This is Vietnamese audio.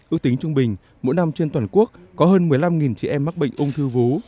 ước tính trung bình mỗi năm trên toàn quốc có hơn một mươi năm chị em mắc bệnh ung thư vú